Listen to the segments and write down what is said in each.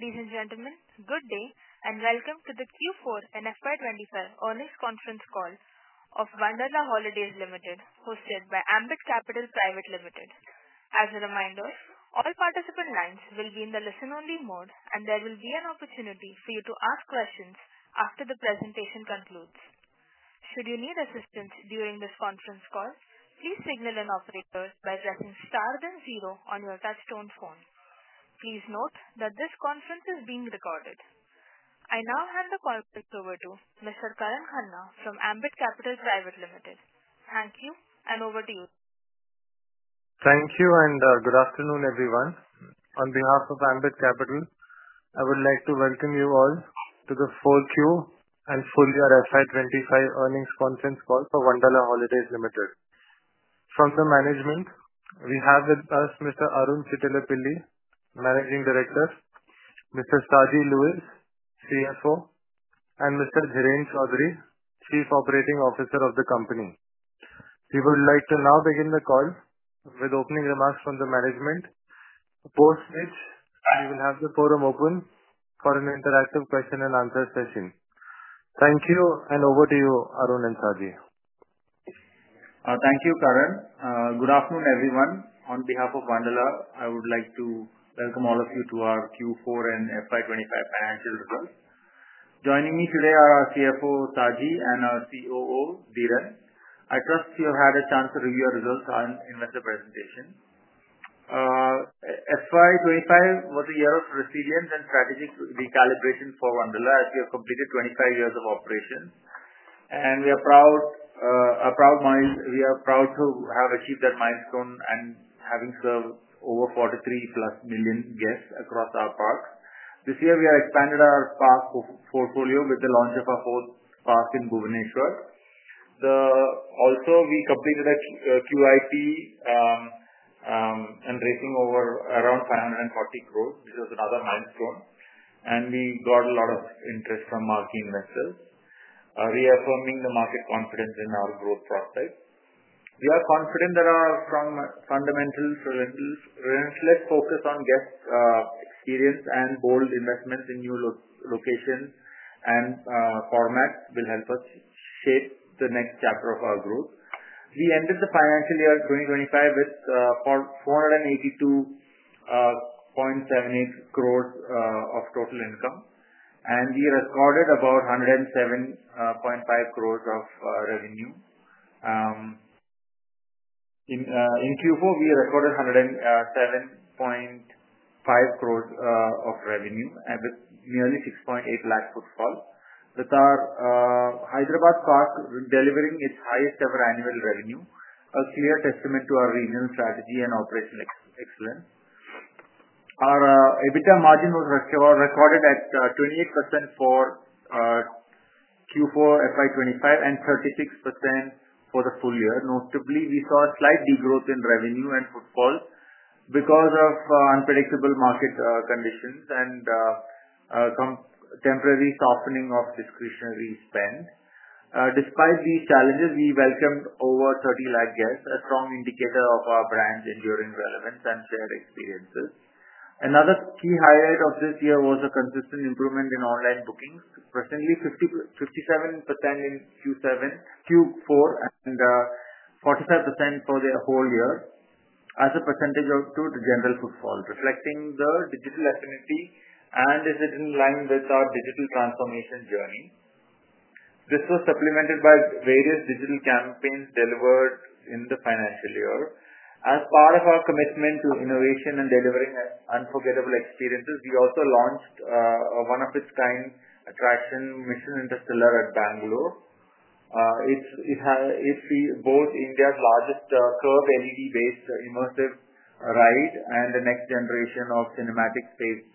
Ladies and gentlemen, good day and welcome to the Q4 FY 2025 earnings conference call of Wonderla Holidays Limited, hosted by Ambit Capital Private Limited. As a reminder, all participant lines will be in the listen-only mode, and there will be an opportunity for you to ask questions after the presentation concludes. Should you need assistance during this conference call, please signal an operator by pressing star then zero on your touch-tone phone. Please note that this conference is being recorded. I now hand the call back over to Mr. Karan Khanna from Ambit Capital Private Limited. Thank you, and over to you. Thank you, and good afternoon, everyone. On behalf of Ambit Capital, I would like to welcome you all to the 4Q and full year FY 2025 earnings conference call for Wonderla Holidays Limited. From the management, we have with us Mr. Arun Chittilappilly, Managing Director; Mr. Saji Louiz, CFO; and Mr. Dheeran Choudhary, Chief Operating Officer of the company. We would like to now begin the call with opening remarks from the management, post which we will have the forum open for an interactive question-and-answer session. Thank you, and over to you, Arun and Saji. Thank you, Karan. Good afternoon, everyone. On behalf of Wonderla, I would like to welcome all of you to our Q4 and FY2025 financial results. Joining me today are our CFO, Saji, and our COO, Dheeran. I trust you have had a chance to review your results on investor presentation. FY 2025 was a year of resilience and strategic recalibration for Wonderla as we have completed 25 years of operation. We are proud to have achieved that milestone and having served over 43+ million guests across our park. This year, we have expanded our park portfolio with the launch of our fourth park in Bhubaneswar. We also completed a QIP and raising over around 540 crore, which was another milestone. We got a lot of interest from marquee investors, reaffirming the market confidence in our growth prospects. We are confident that our fundamentals, relentless focus on guest experience, and bold investments in new locations and formats will help us shape the next chapter of our growth. We ended the financial year 2025 with 482.78 crore of total income, and we recorded about 107.5 crore of revenue. In Q4, we recorded 107.5 crore of revenue with nearly 6.8 lakh footfall, with our Hyderabad park delivering its highest-ever annual revenue, a clear testament to our regional strategy and operational excellence. Our EBITDA margin was recorded at 28% for Q4 FY 2025 and 36% for the full year. Notably, we saw a slight degrowth in revenue and footfall because of unpredictable market conditions and temporary softening of discretionary spend. Despite these challenges, we welcomed over 3 million guests, a strong indicator of our brand's enduring relevance and shared experiences. Another key highlight of this year was a consistent improvement in online bookings, presently 57% in Q4 and 45% for the whole year, as a percentage out to the general footfall, reflecting the digital affinity and is it in line with our digital transformation journey. This was supplemented by various digital campaigns delivered in the financial year. As part of our commitment to innovation and delivering unforgettable experiences, we also launched a one-of-its-kind attraction, Mission Interstellar at Bangalore. It sees both India's largest curved LED-based immersive ride and the next generation of cinematic space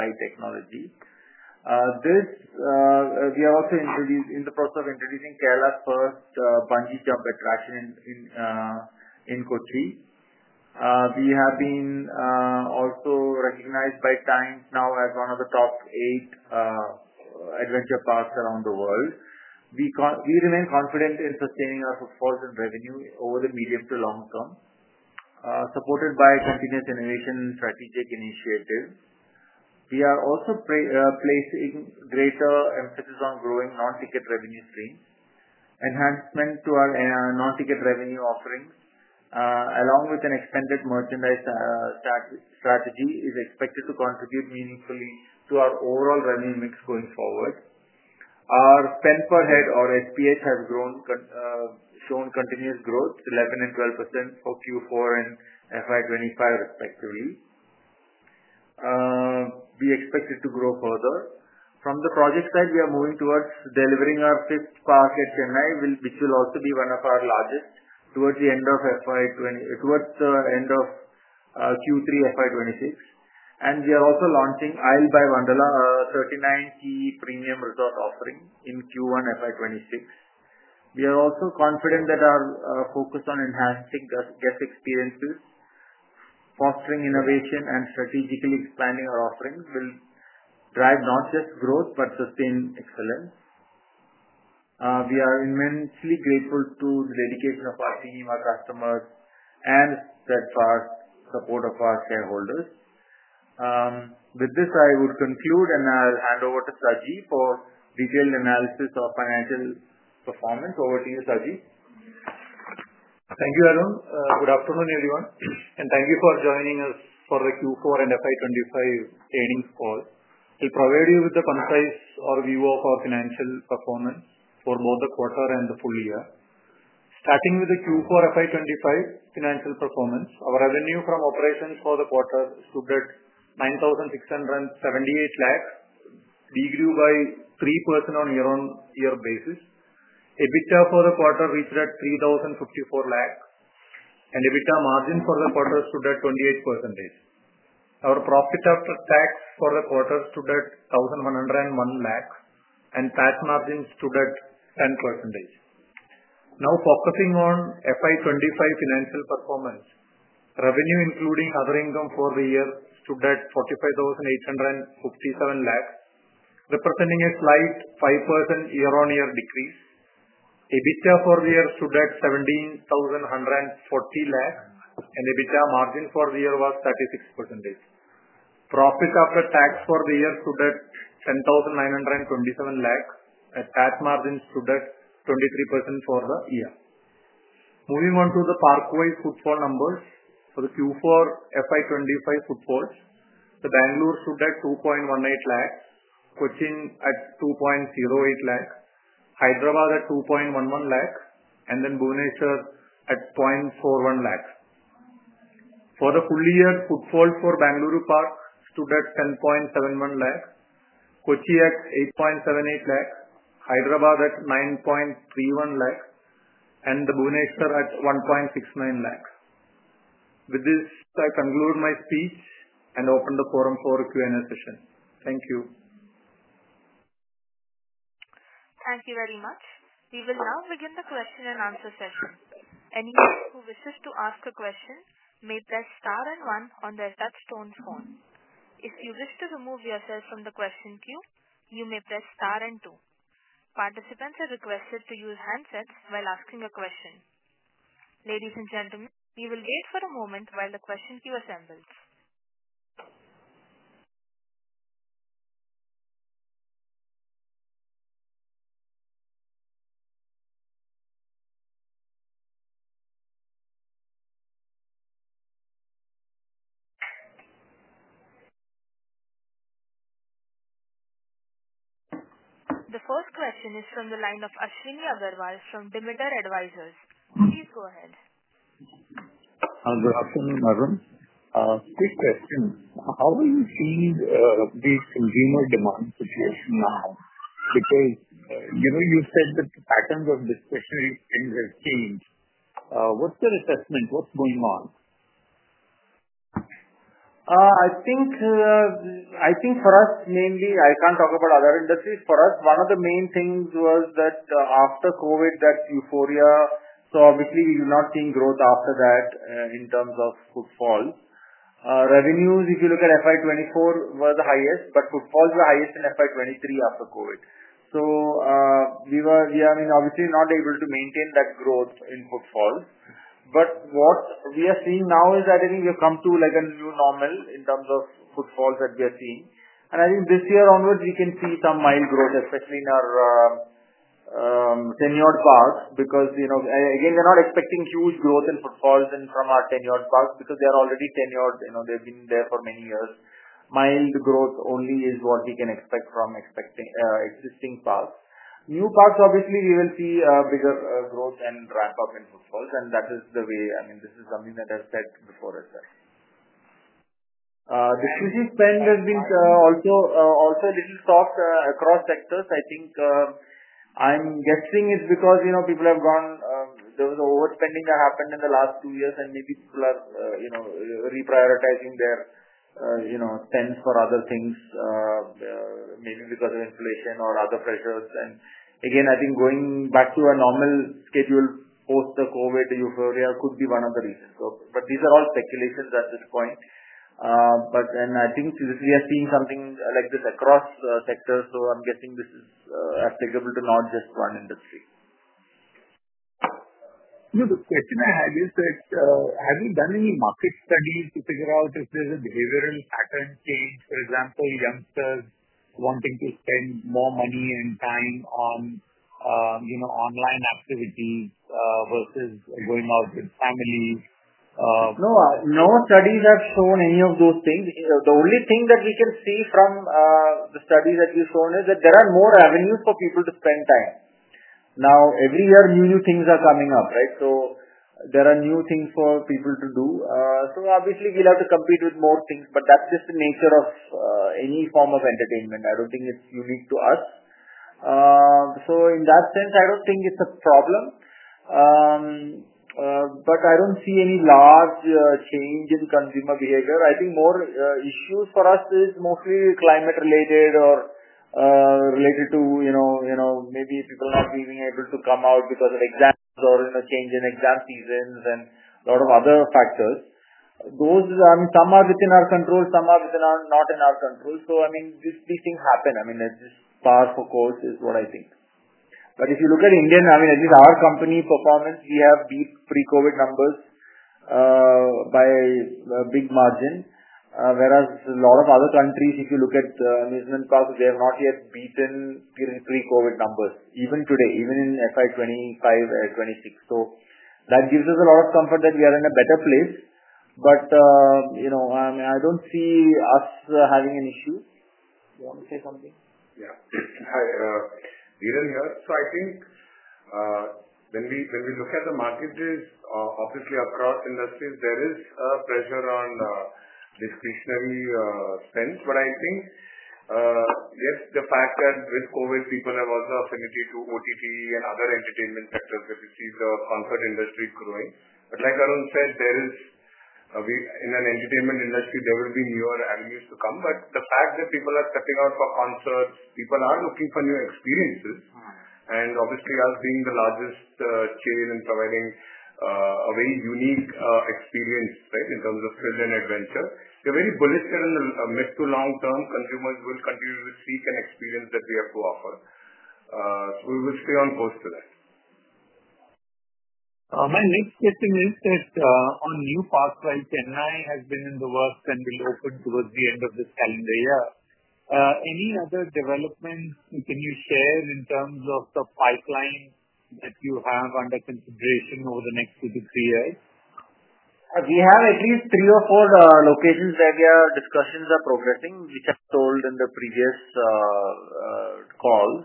ride technology. We are also in the process of introducing Kerala's first bungee jump attraction in Kochi. We have been also recognized by Times Now as one of the top eight adventure parks around the world. We remain confident in sustaining our footfalls and revenue over the medium to long term, supported by continuous innovation and strategic initiatives. We are also placing greater emphasis on growing non-ticket revenue streams. Enhancement to our non-ticket revenue offerings, along with an expanded merchandise strategy, is expected to contribute meaningfully to our overall revenue mix going forward. Our spend per head, or SPH, has shown continuous growth, 11% and 12% for Q4 and FY 2025, respectively. We expect it to grow further. From the project side, we are moving towards delivering our fifth park at Chennai, which will also be one of our largest, towards the end of Q3 FY 2026. We are also launching Isle by Wonderla, a 39-key premium resort offering in Q1 FY 2026. We are also confident that our focus on enhancing guest experiences, fostering innovation, and strategically expanding our offerings will drive not just growth but sustained excellence. We are immensely grateful to the dedication of our team, our customers, and the support of our shareholders. With this, I would conclude, and I'll hand over to Saji for detailed analysis of financial performance. Over to you, Saji. Thank you, Arun. Good afternoon, everyone. Thank you for joining us for the Q4 and FY 2025 earnings call. I'll provide you with a concise overview of our financial performance for both the quarter and the full year. Starting with the Q4 FY 2025 financial performance, our revenue from operations for the quarter stood at 9,678 lakh, it grew by 3% on a year-on-year basis. EBITDA for the quarter reached 3,054 lakh, and EBITDA margin for the quarter stood at 28%. Our profit after tax for the quarter stood at 1,101 lakh, and tax margin stood at 10%. Now, focusing on FY 2025 financial performance, revenue, including other income for the year, stood at 45,857 lakh, representing a slight 5% year-on-year decrease. EBITDA for the year stood at 17,140 lakh, and EBITDA margin for the year was 36%. Profit after tax for the year stood at 10,927 lakh, and tax margin stood at 23% for the year. Moving on to the park-wide footfall numbers for the Q4 FY 2025 footfalls, Bangalore stood at 2.18 lakh, Kochi at 2.08 lakh, Hyderabad at 2.11 lakh, and then Bhubaneswar at 0.41 lakh. For the full-year footfall for Bangalore Park stood at 10.71 lakh, Kochi at 8.78 lakh, Hyderabad at 9.31 lakh, and Bhubaneswar at 1.69 lakh. With this, I conclude my speech and open the forum for a Q&A session. Thank you. Thank you very much. We will now begin the question-and-answer session. Anyone who wishes to ask a question may press star and one on their touch-tone phone. If you wish to remove yourself from the question queue, you may press star and two. Participants are requested to use handsets while asking a question. Ladies and gentlemen, we will wait for a moment while the question queue assembles. The first question is from the line of Ashwini Agarwal from Demeter Advisors. Please go ahead. Good afternoon, Arun. Quick question. How are you seeing the consumer demand situation now? Because you said that the patterns of discretionary spend have changed. What's your assessment? What's going on? I think for us, mainly—I cannot talk about other industries—for us, one of the main things was that after COVID, that euphoria. Obviously, we were not seeing growth after that in terms of footfall. Revenues, if you look at FY 2024, were the highest, but footfalls were highest in FY 2023 after COVID. We are obviously not able to maintain that growth in footfall. What we are seeing now is that I think we have come to a new normal in terms of footfalls that we are seeing. I think this year onwards, we can see some mild growth, especially in our tenured parks, because, again, we are not expecting huge growth in footfalls from our tenured parks because they are already tenured. They have been there for many years. Mild growth only is what we can expect from existing parks. New parks, obviously, we will see bigger growth and ramp-up in footfalls. That is the way—I mean, this is something that I've said before as well. Discretionary spend has been also a little soft across sectors. I think I'm guessing it's because people have gone—there was an overspending that happened in the last two years, and maybe people are reprioritizing their spend for other things, maybe because of inflation or other pressures. I think going back to a normal schedule post the COVID euphoria could be one of the reasons. These are all speculations at this point. I think we are seeing something like this across sectors, so I'm guessing this is applicable to not just one industry. The question I have is that, have you done any market studies to figure out if there's a behavioral pattern change, for example, youngsters wanting to spend more money and time on online activities versus going out with family? No. No studies have shown any of those things. The only thing that we can see from the studies that you've shown is that there are more avenues for people to spend time. Now, every year, new things are coming up, right? There are new things for people to do. Obviously, we'll have to compete with more things, but that's just the nature of any form of entertainment. I don't think it's unique to us. In that sense, I don't think it's a problem. I don't see any large change in consumer behavior. I think more issues for us is mostly climate-related or related to maybe people not being able to come out because of exams or change in exam seasons and a lot of other factors. I mean, some are within our control, some are not in our control. I mean, these things happen. I mean, it's just par for the course is what I think. If you look at Indian—I mean, at least our company performance, we have beat pre-COVID numbers by a big margin. Whereas a lot of other countries, if you look at amusement parks, they have not yet beaten pre-COVID numbers, even today, even in 2025 and 2026. That gives us a lot of comfort that we are in a better place. I don't see us having an issue. Do you want to say something? Yeah. Hi, Dheeran here. I think when we look at the markets, obviously, across industries, there is a pressure on discretionary spend. I think, yes, the fact that with COVID, people have also affinity to OTT and other entertainment sectors. We have seen the concert industry growing. Like Arun said, in an entertainment industry, there will be newer avenues to come. The fact that people are stepping out for concerts, people are looking for new experiences. Obviously, us being the largest chain and providing a very unique experience, right, in terms of thrill and adventure, we're very bullish that in the mid to long term, consumers will continue to seek and experience that we have to offer. We will stay on course to that. My next question is that on new parks, while Chennai has been in the works and will open towards the end of this calendar year, any other developments can you share in terms of the pipeline that you have under consideration over the next two to three years? We have at least three or four locations where discussions are progressing, which I've told in the previous calls.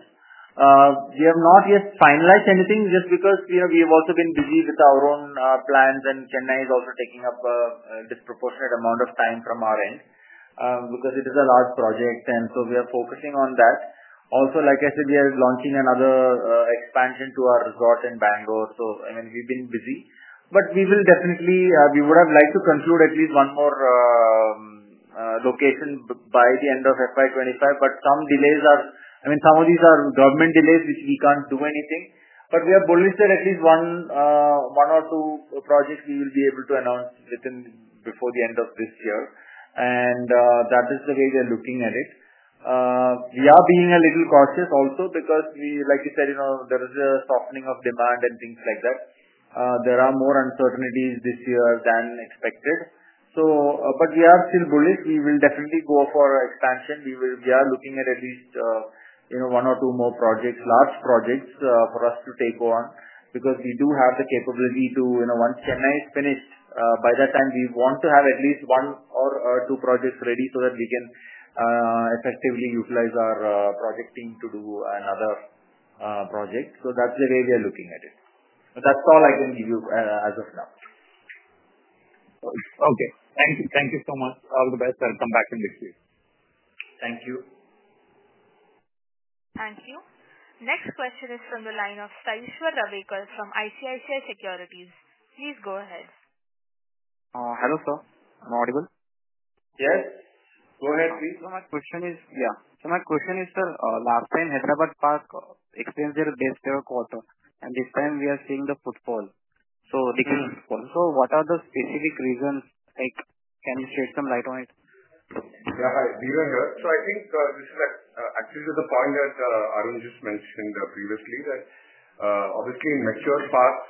We have not yet finalized anything just because we have also been busy with our own plans, and Chennai is also taking up a disproportionate amount of time from our end because it is a large project. We are focusing on that. Also, like I said, we are launching another expansion to our resort in Bangalore. I mean, we've been busy. We would have liked to conclude at least one more location by the end of FY 2025. Some delays are—I mean, some of these are government delays, which we can't do anything. We are bullish that at least one or two projects we will be able to announce before the end of this year. That is the way we are looking at it. We are being a little cautious also because, like you said, there is a softening of demand and things like that. There are more uncertainties this year than expected. We are still bullish. We will definitely go for expansion. We are looking at at least one or two more projects, large projects for us to take on because we do have the capability to—once Chennai is finished, by that time, we want to have at least one or two projects ready so that we can effectively utilize our project team to do another project. That is the way we are looking at it. That is all I can give you as of now. Okay. Thank you. Thank you so much. All the best, sir. Come back in a bit, please. Thank you. Thank you. Next question is from the line of Saishwar Ravekar from ICICI Securities. Please go ahead. Hello, sir. Am I audible? Yes. Go ahead, please. My question is, sir, last time Hyderabad Park explained their base there a quarter. This time, we are seeing the footfall. Decreased footfall. What are the specific reasons? Can you shed some light on it? Yeah. Hi, Dheeran here. I think this is actually the point that Arun just mentioned previously, that obviously, in mature parks,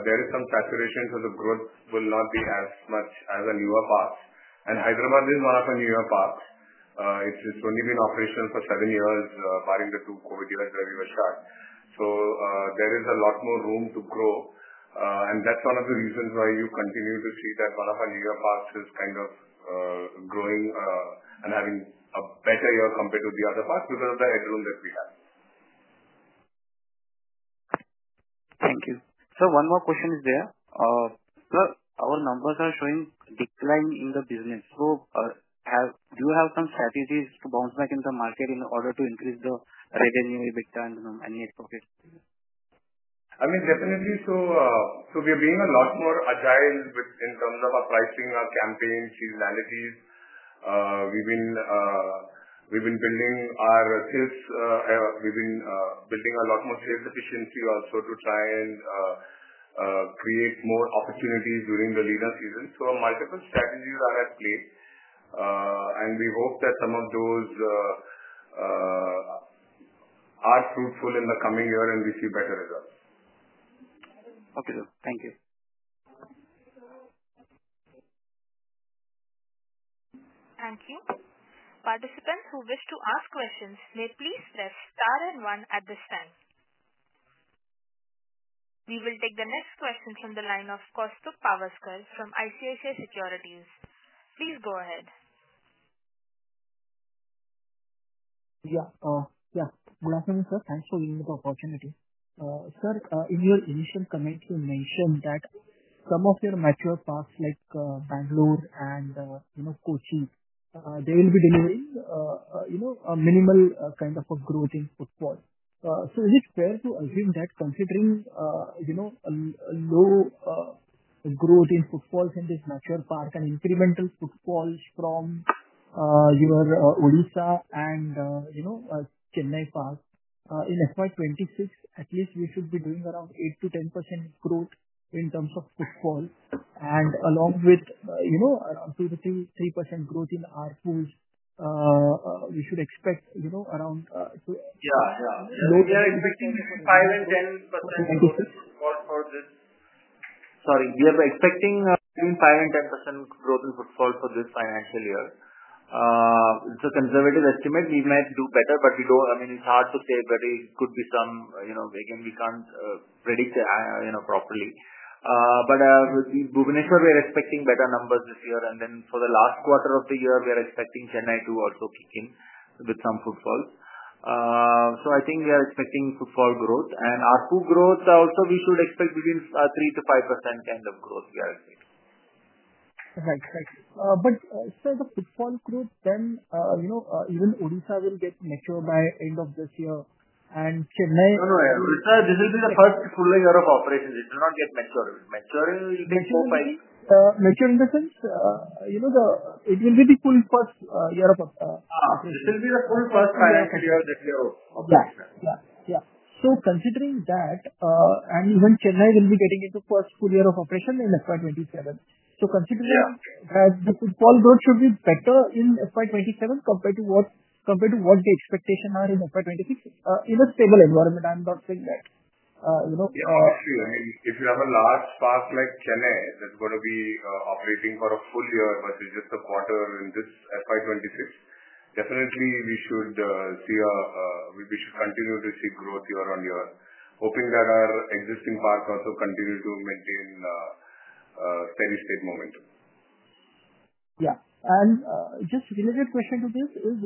there is some saturation, so the growth will not be as much as a newer park. Hyderabad is one of our newer parks. It has only been operational for seven years, barring the two COVID years where we were shut. There is a lot more room to grow. That is one of the reasons why you continue to see that one of our newer parks is kind of growing and having a better year compared to the other parks because of the headroom that we have. Thank you. Sir, one more question is there. Sir, our numbers are showing decline in the business. Do you have some strategies to bounce back in the market in order to increase the revenue, EBITDA, and any expectations? I mean, definitely. We are being a lot more agile in terms of our pricing, our campaigns, seasonalities. We've been building a lot more sales efficiency also to try and create more opportunities during the leaner season. Multiple strategies are at play. We hope that some of those are fruitful in the coming year and we see better results. Okay. Thank you. Thank you. Participants who wish to ask questions may please press star and one at this time. We will take the next question from the line of Koustubh Pawaskar from ICICI Securities. Please go ahead. Yeah. Yeah. Good afternoon, sir. Thanks for giving me the opportunity. Sir, in your initial comment, you mentioned that some of your mature parks like Bangalore and Kochi, they will be delivering a minimal kind of a growth in footfall. Is it fair to assume that considering a low growth in footfalls in this mature park and incremental footfalls from your Odisha and Chennai park, in FY 2026, at least we should be doing around 8-10% growth in terms of footfall? Along with around 2%-3% growth in our pools, we should expect around— Yeah. Yeah. We are expecting 5%-10% growth for this—sorry. We are expecting between 5%-10% growth in footfall for this financial year. It's a conservative estimate. We might do better, but we don't—I mean, it's hard to say, but it could be some—again, we can't predict properly. With Bhubaneswar, we are expecting better numbers this year. For the last quarter of the year, we are expecting Chennai to also kick in with some footfalls. I think we are expecting footfall growth. Our pool growth, also, we should expect between 3%-5% kind of growth we are expecting. Right. Right. But sir, the footfall growth, then even Odisha will get mature by end of this year. And Chennai— No, no. This will be the first full year of operations. It will not get mature. Maturing will be four-five years. Mature in the sense it will be the full first year of operations. This will be the full first financial year that we are opening. Yeah. Yeah. So considering that, and even Chennai will be getting into first full year of operation in FY 2027. Considering that, the footfall growth should be better in FY 2027 compared to what the expectations are in FY 2026 in a stable environment. I'm not saying that. Yeah. I see. I mean, if you have a large park like Chennai that's going to be operating for a full year versus just a quarter in this FY 2026, definitely we should see a—we should continue to see growth year on year, hoping that our existing parks also continue to maintain steady-state momentum. Yeah. And just related question to this is,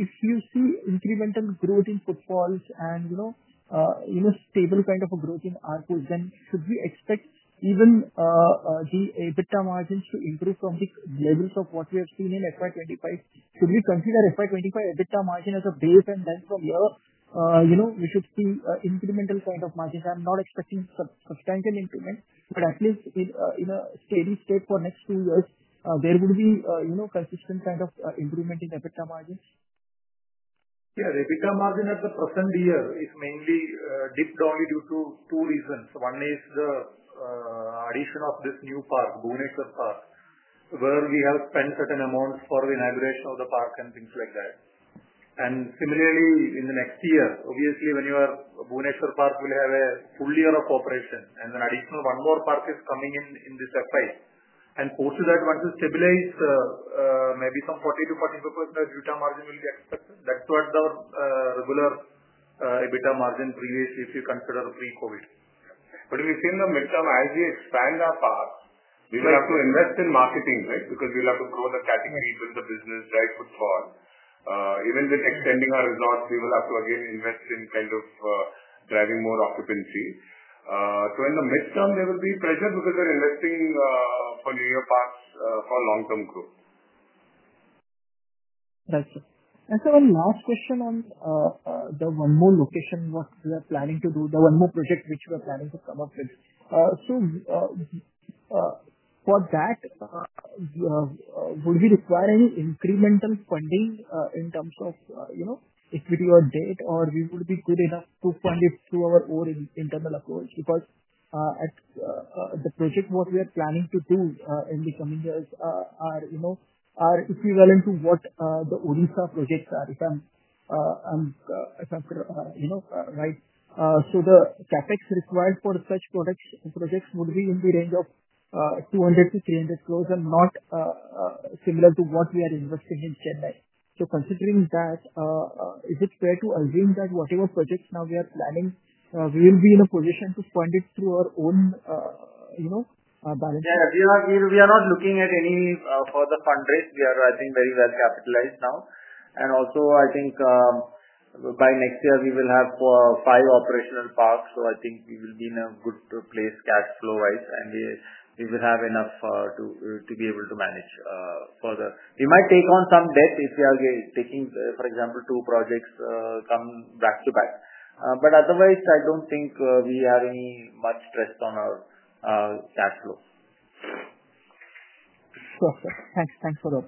if you see incremental growth in footfalls and stable kind of a growth in our pools, then should we expect even the EBITDA margins to improve from the levels of what we have seen in FY 2025? Should we consider FY 2025 EBITDA margin as a base and then from here, we should see incremental kind of margins? I'm not expecting substantial increment, but at least in a steady state for next two years, there would be consistent kind of improvement in EBITDA margins? Yeah. The EBITDA margin at the present year is mainly dipped only due to two reasons. One is the addition of this new park, Bhubaneswar Park, where we have spent certain amounts for the inauguration of the park and things like that. Similarly, in the next year, obviously, when you are Bhubaneswar Park, we'll have a full year of operation. Then additional one more park is coming in this FY. Post that, once we stabilize, maybe some 40-45% EBITDA margin will be expected. That's what our regular EBITDA margin previously, if you consider pre-COVID. We think the midterm, as we expand our parks, we will have to invest in marketing, right? Because we will have to grow the category with the business, right, footfall. Even with extending our resorts, we will have to, again, invest in kind of driving more occupancy. In the midterm, there will be pressure because we're investing for newer parks for long-term growth. Right. Sir, one last question on the one more location we are planning to do, the one more project which we are planning to come up with. For that, would we require any incremental funding in terms of equity or debt, or would we be good enough to fund it through our own internal approach? Because the project we are planning to do in the coming years is equivalent to what the Odisha projects are, if I'm right. The CapEx required for such projects would be in the range of 200 crore-300 crore and not similar to what we are investing in Chennai. Considering that, is it fair to assume that whatever projects we are now planning, we will be in a position to fund it through our own balance sheet? Yeah. We are not looking at any further fundraise. We are, I think, very well capitalized now. Also, I think by next year, we will have five operational parks. I think we will be in a good place cash flow-wise. We will have enough to be able to manage further. We might take on some debt if we are taking, for example, two projects come back to back. Otherwise, I do not think we have any much stress on our cash flow. Sure. Thanks. Thanks for the—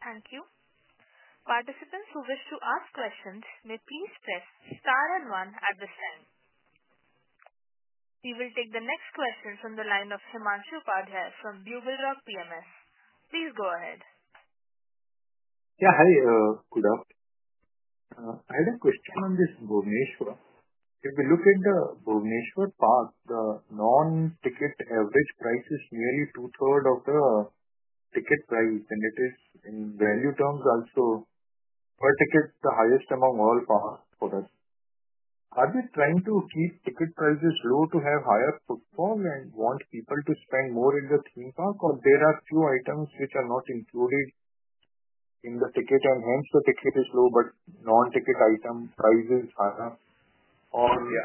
Thank you. Participants who wish to ask questions, may please press star and one at this time. We will take the next question from the line of Himanshu Upadhyay from BugleRock PMS. Please go ahead. Yeah. Hi, [Kuda]. I had a question on this Bhubaneswar. If we look at the Bhubaneswar park, the non-ticket average price is nearly two-thirds of the ticket price. It is, in value terms, also per ticket, the highest among all parks for us. Are they trying to keep ticket prices low to have higher footfall and want people to spend more in the theme park, or are there a few items which are not included in the ticket, and hence the ticket is low but non-ticket item price is higher?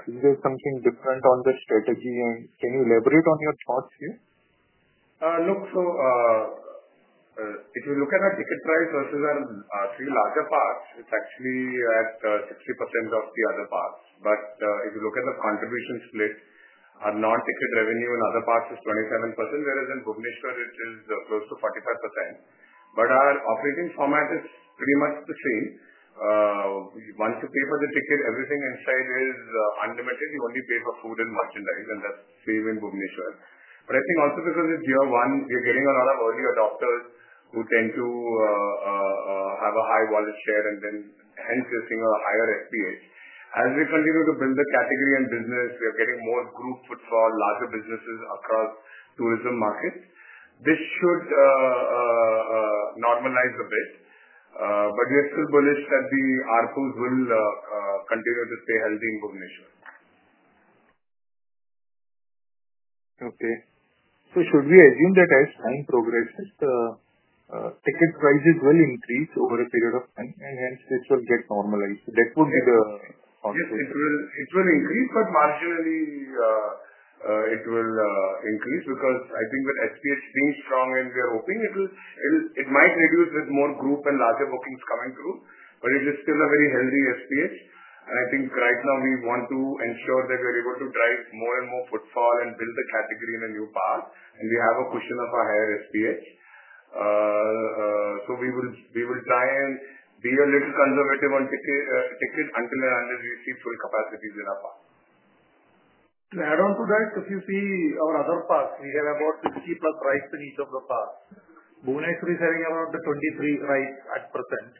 Is there something different on the strategy? Can you elaborate on your thoughts here? Look, so if you look at our ticket price versus our three larger parks, it's actually at 60% of the other parks. If you look at the contribution split, our non-ticket revenue in other parks is 27%, whereas in Bhubaneswar, it is close to 45%. Our operating format is pretty much the same. Once you pay for the ticket, everything inside is unlimited. You only pay for food and merchandise. That's the same in Bhubaneswar. I think also because it's year one, we are getting a lot of early adopters who tend to have a high wallet share and then hence you're seeing a higher SPH. As we continue to build the category and business, we are getting more group footfall, larger businesses across tourism markets. This should normalize a bit. We are still bullish that our pools will continue to stay healthy in Bhubaneswar. Okay. So should we assume that as time progresses, the ticket prices will increase over a period of time, and hence this will get normalized? So that would be the— Yes. It will increase, but marginally it will increase because I think with SPH being strong and we are hoping it might reduce with more group and larger bookings coming through. It is still a very healthy SPH. I think right now we want to ensure that we are able to drive more and more footfall and build the category in a new park. We have a cushion of a higher SPH. We will try and be a little conservative on ticket until and unless we see full capacities in our park. To add on to that, if you see our other parks, we have about 50+ rides in each of the parks. Bhubaneswar is having about 23 rides at present.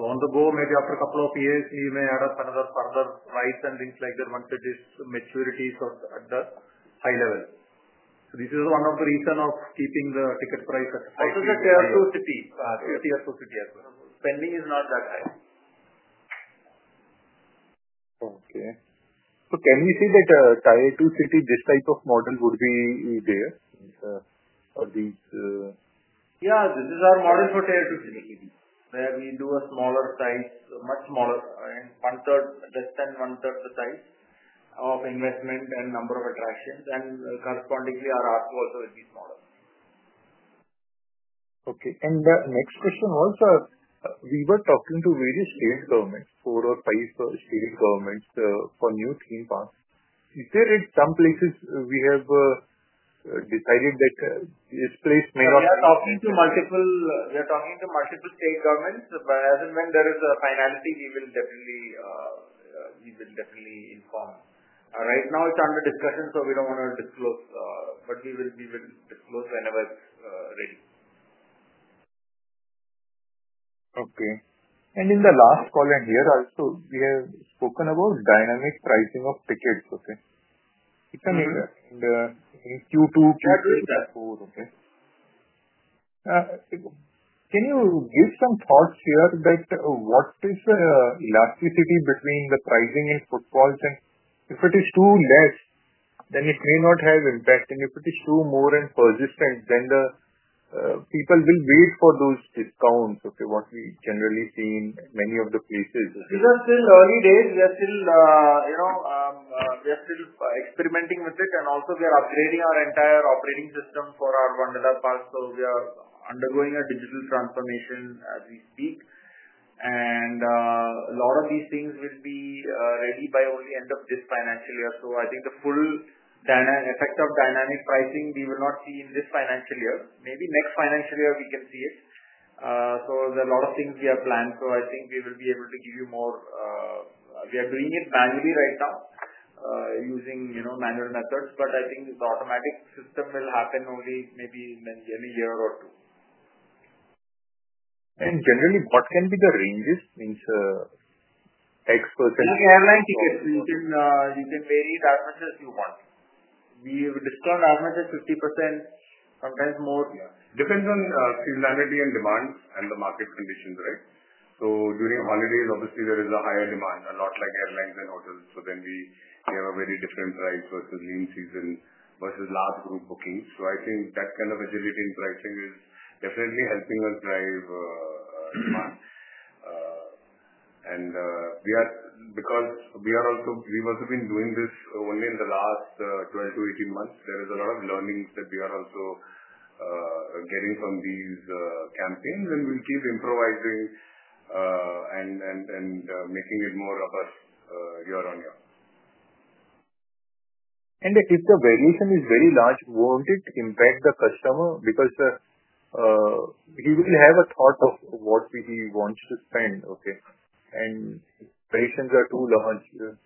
On the go, maybe after a couple of years, we may add up another further rides and things like that once it matures at the high level. This is one of the reasons of keeping the ticket price at— Also, the Tier 2 cities. Tier-2 city as well. Spending is not that high. Okay. So can we say that Tier 2 city, this type of model would be there for these? Yeah. This is our model for Tier 2 city, where we do a smaller size, much smaller, less than one-third the size of investment and number of attractions. And correspondingly, our R2 also will be smaller. Okay. The next question also, we were talking to various state governments, four or five state governments for new theme parks. Is there some places we have decided that this place may not— We are talking to multiple state governments. As and when there is a finality, we will definitely inform. Right now, it's under discussion, so we don't want to disclose. We will disclose whenever it's ready. Okay. In the last call and here, also, we have spoken about dynamic pricing of tickets. Okay? Yeah. Q2, Q3, Q4. Okay? Can you give some thoughts here that what is the elasticity between the pricing and footfalls? If it is too less, then it may not have impact. If it is too more and persistent, then the people will wait for those discounts. Okay? What we generally see in many of the places. These are still early days. We are still experimenting with it. We are upgrading our entire operating system for our Wonderla Park. We are undergoing a digital transformation as we speak. A lot of these things will be ready only by the end of this financial year. I think the full effect of dynamic pricing, we will not see in this financial year. Maybe next financial year, we can see it. There are a lot of things we have planned. I think we will be able to give you more—we are doing it manually right now using manual methods. I think the automatic system will happen only maybe in a year or two. Generally, what can be the ranges? Means X%. It's like airline tickets. You can vary it as much as you want. We will discount as much as 50%, sometimes more. Yeah. Depends on seasonality and demand and the market conditions, right? During holidays, obviously, there is a higher demand, a lot like airlines and hotels. We have a very different price versus lean season versus large group bookings. I think that kind of agility in pricing is definitely helping us drive demand. Because we have also been doing this only in the last 12 to 18 months, there is a lot of learnings that we are also getting from these campaigns. We will keep improvising and making it more robust year on year. If the variation is very large, will it not impact the customer? Because he will have a thought of what he wants to spend. Okay? Expectations are too large.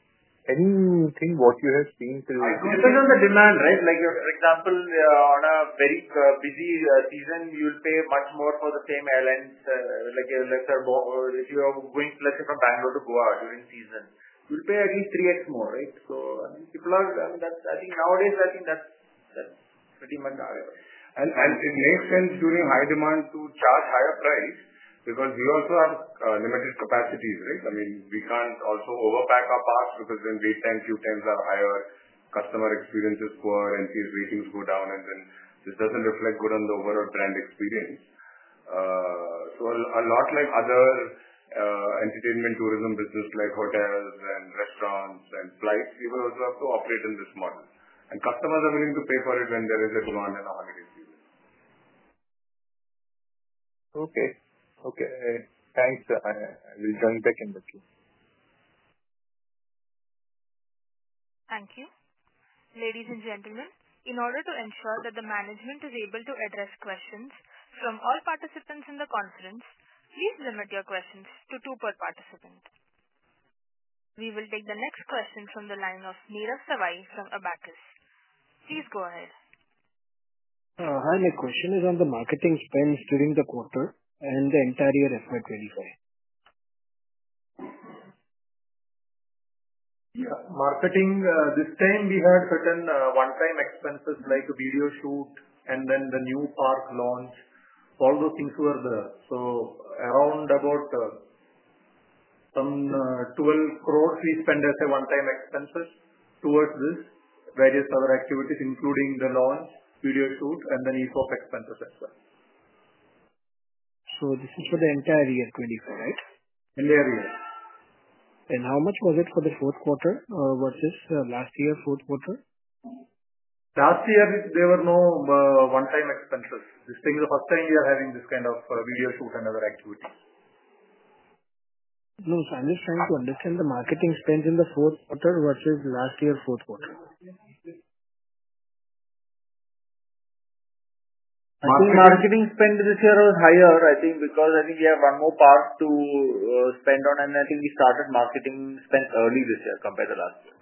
Anything what you have seen till— It depends on the demand, right? For example, on a very busy season, you will pay much more for the same airlines. If you are going, let's say, from Bangalore to Goa during season, you'll pay at least 3x more, right? I mean, people are—I mean, I think nowadays, I think that's pretty much how it works. It makes sense during high demand to charge higher price because we also have limited capacities, right? I mean, we can't also overpack our parks because then wait times, queue times are higher, customer experience is poor, and if ratings go down, this doesn't reflect good on the overall brand experience. A lot like other entertainment tourism business like hotels and restaurants and flights, we will also have to operate in this model. Customers are willing to pay for it when there is a demand in a holiday season. Okay. Okay. Thanks. I will join back in a bit. Thank you. Ladies and gentlemen, in order to ensure that the management is able to address questions from all participants in the conference, please limit your questions to two per participant. We will take the next question from the line of Nirav Savai from Abakkus. Please go ahead. Hi. My question is on the marketing spends during the quarter and the entire year FY 2025. Yeah. Marketing, this time we had certain one-time expenses like video shoot and then the new park launch. All those things were there. So around about 12 crore we spend as a one-time expenses towards this, various other activities including the launch, video shoot, and then e-shop expenses as well. This is for the entire year 2025, right? Entire year. How much was it for the fourth quarter versus last year fourth quarter? Last year, there were no one-time expenses. This time is the first time we are having this kind of video shoot and other activities. No, sir. I'm just trying to understand the marketing spend in the fourth quarter versus last year fourth quarter. I think marketing spend this year was higher, I think, because I think we have one more park to spend on. I think we started marketing spend early this year compared to last year.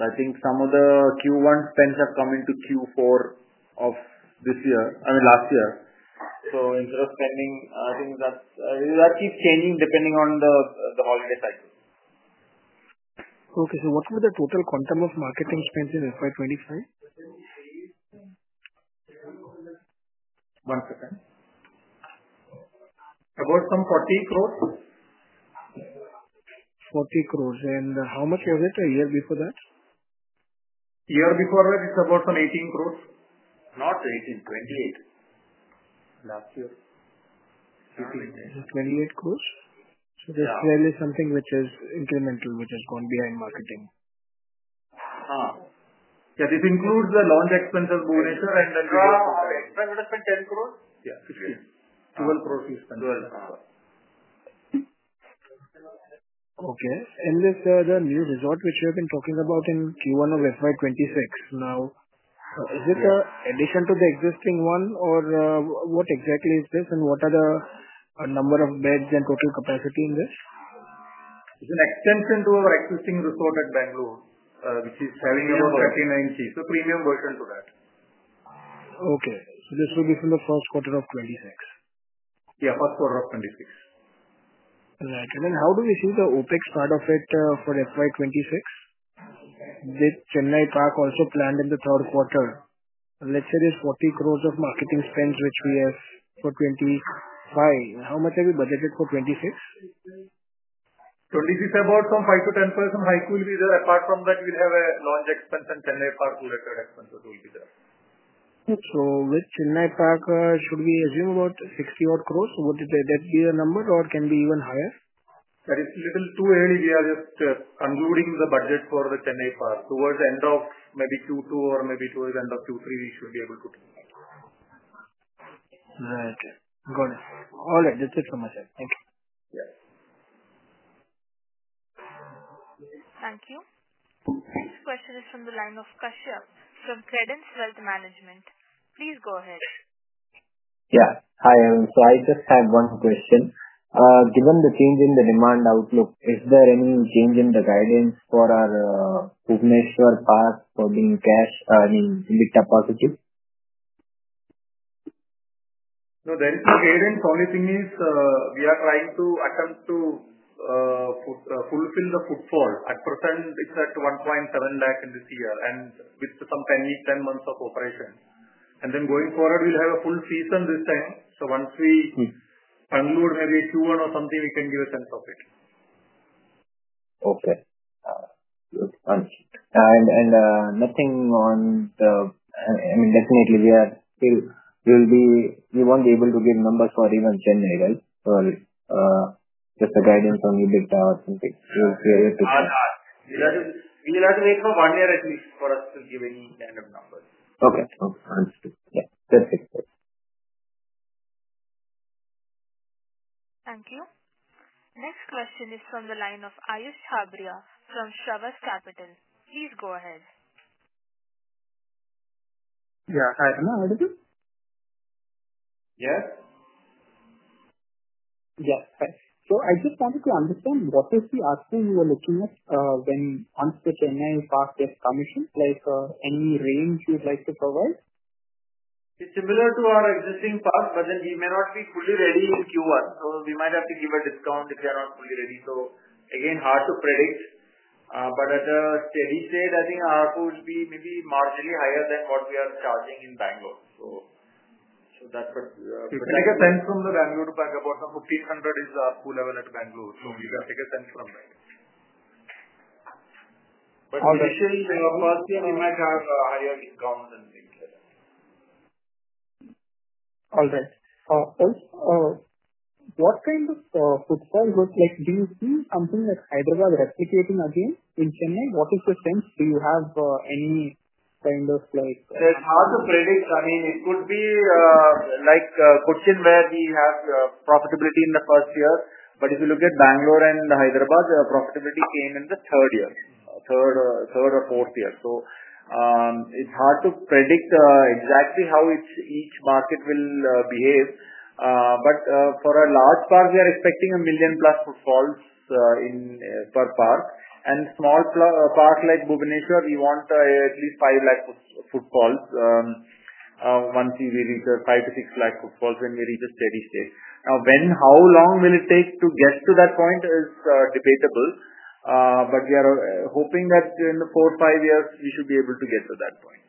I think some of the Q1 spends have come into Q4 of this year, I mean, last year. Instead of spending, I think that keeps changing depending on the holiday cycle. Okay. So what was the total quantum of marketing spend in FY 2025? One second. About 40 crore. 40 crore. How much was it a year before that? Year before that, it's about 18 crore. Not 18. 28 crore last year. 28 crore. That's really something which is incremental, which has gone behind marketing. Yeah. This includes the launch expenses, Bhubaneswar, and then video shoot. Expenses have spent INR 10 crore? Yeah. INR 15, 12 crore we spent. INR 12 crore. Okay. This new resort which we have been talking about in Q1 of FY 2026, now, is it an addition to the existing one, or what exactly is this, and what are the number of beds and total capacity in this? It's an extension to our existing resort at Bangalore, which is having about 39 seats. So premium version to that. Okay. So this will be from the first quarter of 2026? Yeah. First quarter of 2026. Right. How do we see the OpEx part of it for FY2026? With Chennai Park also planned in the third quarter, let's say there is 40 crore of marketing spends which we have for 2025. How much have you budgeted for 2026? 2026, about some 5%-10% hike will be there. Apart from that, we'll have a launch expense and Chennai Park-related expenses will be there. With Chennai Park, should we assume about 60 crore? Would that be the number, or can it be even higher? That is a little too early. We are just concluding the budget for the Chennai Park. Towards the end of maybe Q2 or maybe towards the end of Q3, we should be able to take that. Right. Got it. All right. That's it from my side. Thank you. Yeah. Thank you. Next question is from the line of [Kashyap] from Ckredence Wealth Management. Please go ahead. Yeah. Hi, Arun. So I just had one question. Given the change in the demand outlook, is there any change in the guidance for our Bhubaneswar Park for being cash, I mean, EBITDA positive? No, there is no guidance. Only thing is we are trying to attempt to fulfill the footfall. At present, it's at 1.7 lakh this year and with some 10 months of operation. Then going forward, we'll have a full season this time. Once we conclude maybe Q1 or something, we can give a sense of it. Okay. Good. Nothing on the—I mean, definitely, we are still—we will not be able to give numbers for even Chennai, right? Or just the guidance on EBITDA or something. We will wait for one year at least for us to give any kind of numbers. Okay. Understood. Yeah. That is it. Thank you. Next question is from the line of Ayush Chabria from Shravas Capital. Please go ahead. Yeah. Hi. Am I audible? Yes. Yes. I just wanted to understand what is the actual you were looking at once the Chennai Park gets commissioned? Any range you'd like to provide? It's similar to our existing park, but then we may not be fully ready in Q1. We might have to give a discount if we are not fully ready. Again, hard to predict. At a steady state, I think our R2 will be maybe marginally higher than what we are charging in Bangalore. That's what— You can take a sense from the Bangalore to Punjab. About some 1,500 is the R2 level at Bangalore. So we can take a sense from there. Initially, first year, we might have higher discounts and things like that. All right. What kind of footfall do you see? Something like Hyderabad replicating again in Chennai? What is the sense? Do you have any kind of— It's hard to predict. I mean, it could be like Kochi where we have profitability in the first year. If you look at Bangalore and Hyderabad, profitability came in the third year, third or fourth year. It's hard to predict exactly how each market will behave. For a large park, we are expecting 1 million+ footfalls per park. A small park like Bhubaneswar, we want at least 5 lakh footfalls once we reach 5 lakh-6 lakh footfalls when we reach a steady state. Now, how long it will take to get to that point is debatable. We are hoping that in four or five years, we should be able to get to that point.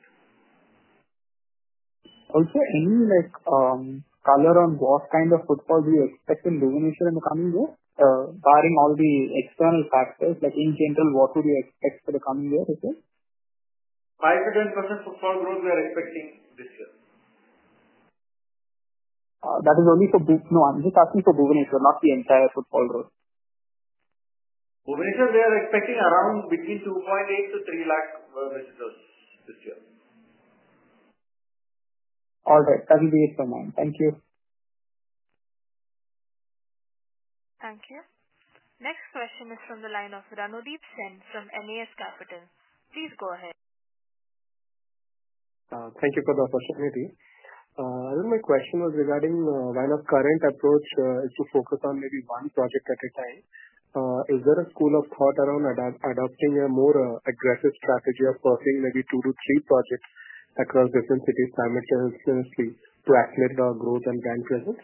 Also, any color on what kind of footfall do you expect in Bhubaneswar in the coming year? Barring all the external factors, in general, what would you expect for the coming year itself? 5%-10% footfall growth we are expecting this year. That is only for—no, I'm just asking for Bhubaneswar, not the entire footfall growth. Bhubaneswar, we are expecting around between 2.8 lakh-3 lakh visitors this year. All right. That will be it from mine. Thank you. Thank you. Next question is from the line of Ranodeep Sen from MAS Capital. Please go ahead. Thank you for the opportunity. My question was regarding why not current approach is to focus on maybe one project at a time. Is there a school of thought around adopting a more aggressive strategy of pursuing maybe two to three projects across different cities simultaneously to accelerate our growth and brand presence?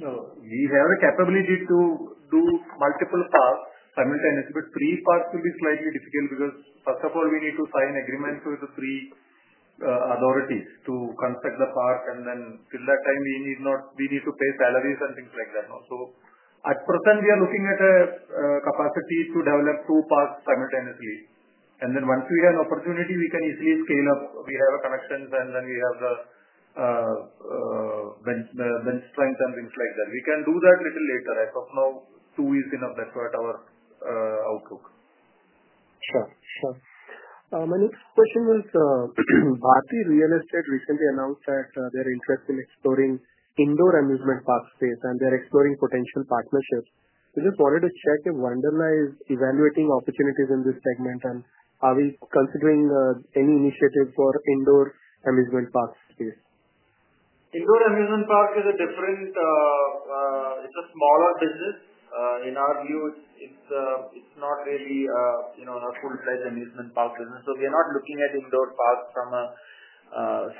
We have the capability to do multiple parks simultaneously, but three parks will be slightly difficult because, first of all, we need to sign agreements with the three authorities to construct the park. Then till that time, we need to pay salaries and things like that. At present, we are looking at a capacity to develop two parks simultaneously. Once we have an opportunity, we can easily scale up. We have connections, and we have the bench strength and things like that. We can do that a little later. As of now, two is enough. That's what our outlook. Sure. Sure. My next question is, Bharti Real Estate recently announced that they are interested in exploring indoor amusement park space, and they are exploring potential partnerships. I just wanted to check if Wonderla is evaluating opportunities in this segment, and are we considering any initiative for indoor amusement park space? Indoor amusement park is a different—it's a smaller business. In our view, it's not really a full-fledged amusement park business. We are not looking at indoor parks from a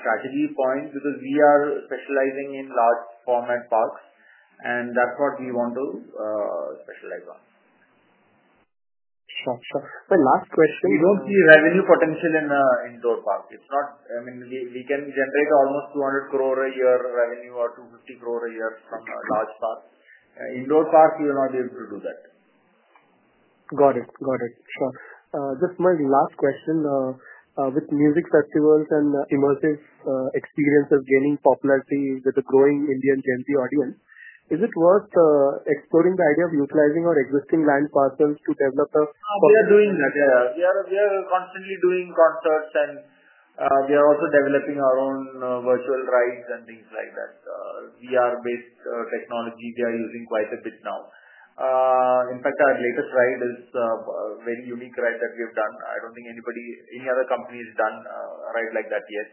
strategy point because we are specializing in large-format parks, and that's what we want to specialize on. Sure. Sure. My last question. We do not see revenue potential in indoor park. I mean, we can generate almost 200 crore a year revenue or 250 crore a year from a large park. Indoor park, we will not be able to do that. Got it. Got it. Sure. Just my last question. With music festivals and immersive experiences gaining popularity with the growing Indian Gen Z audience, is it worth exploring the idea of utilizing our existing land parcels to develop a— We are doing that. Yeah. We are constantly doing concerts, and we are also developing our own virtual rides and things like that. VR-based technology, they are using quite a bit now. In fact, our latest ride is a very unique ride that we have done. I do not think any other company has done a ride like that yet.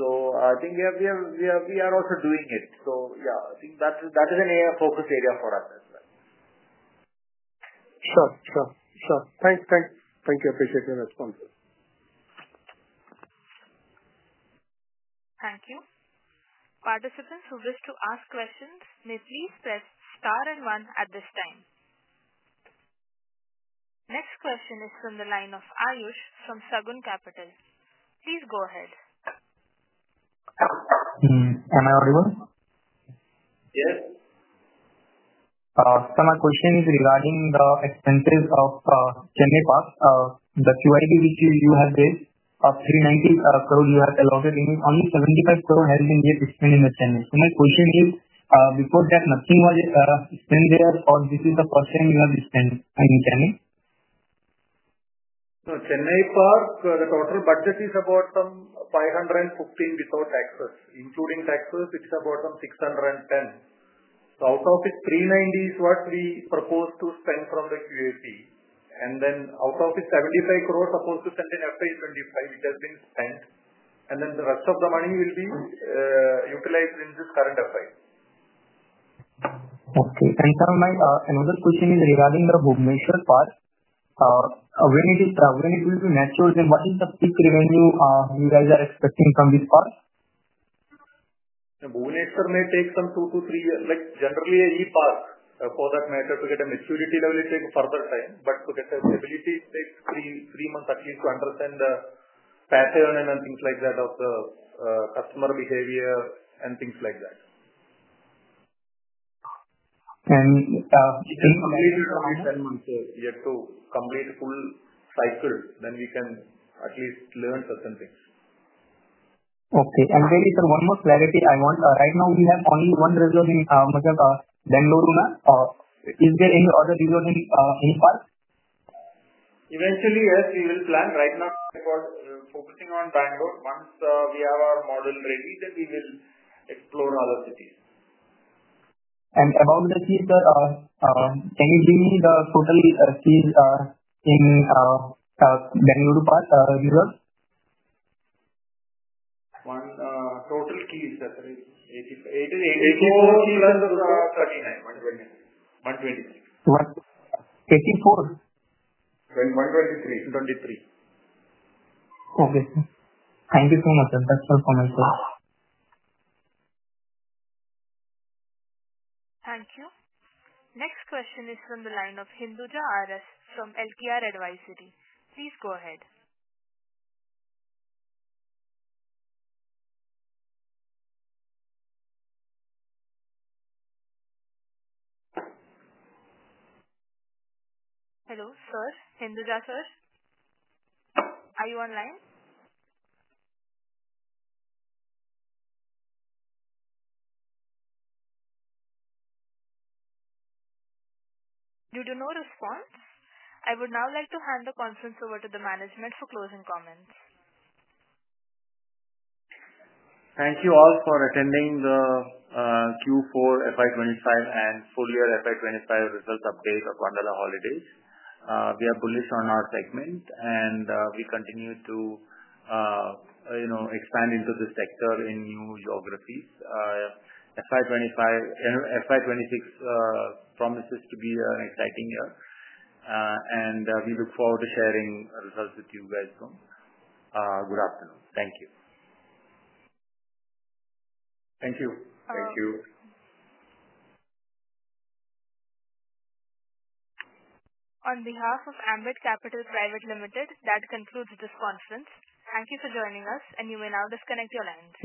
I think we are also doing it. Yeah, I think that is a focus area for us as well. Sure. Thanks. Thank you. Appreciate your response. Thank you. Participants who wish to ask questions may please press star and one at this time. Next question is from the line of Ayush from Seven Capital. Please go ahead. Am I audible? Yes. Sir, my question is regarding the expenses of Chennai Park. The QIP which you have raised of 390 crore you have allotted in it, only 75 crore has been yet expended in the Chennai. So my question is, before that, nothing was expended there, or this is the first time you have expended in Chennai? No, Chennai Park, the total budget is about 515 crore without taxes. Including taxes, it is about 610 crore. Out of it, 390 crore is what we propose to spend from the QIP. Out of it, 75 crore is supposed to be spent in FY 2025, which has been spent. The rest of the money will be utilized in this current FY. Okay. Sir, my another question is regarding the Bhubaneswar park. When it will be matured, what is the peak revenue you guys are expecting from this park? Bhubaneswar may take some two to three years. Generally, any park for that matter, to get a maturity level, it takes further time. To get a stability, it takes three months at least to understand the pattern and things like that of the customer behavior and things like that. If it— It takes at least 10 months yet to complete a full cycle. Then we can at least learn certain things. Okay. Very sir, one more clarity I want. Right now, we have only one resort in Bangalore, is there any other resort in any park? Eventually, yes, we will plan. Right now, we are focusing on Bangalore. Once we have our model ready, then we will explore other cities. About the keys, sir, can you give me the total keys in Bangalore Park, resorts? Total keys, sir, 84 keys and 39, 129. Eighty-four? One hundred and twenty-three. One-hundred and twenty-three. Okay. Thank you so much, sir. That's all from my side. Thank you. Next question is from the line of Hinduja Aras from LTR Advisory. Please go ahead. Hello, sir? Hinduja sir? Are you online? Due to no response, I would now like to hand the conference over to the management for closing comments. Thank you all for attending the Q4 FY 2025 and full year FY 2025 results update of Wonderla Holidays. We are bullish on our segment, and we continue to expand into the sector in new geographies. FY 2026 promises to be an exciting year, and we look forward to sharing results with you guys soon. Good afternoon. Thank you. Thank you. Thank you. On behalf of Ambit Capital Private Limited, that concludes this conference. Thank you for joining us, and you may now disconnect your lines.